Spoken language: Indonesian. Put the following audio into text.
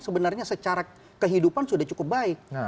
sebenarnya secara kehidupan sudah cukup baik